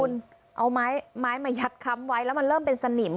คุณเอาไม้มายัดค้ำไว้แล้วมันเริ่มเป็นสนิม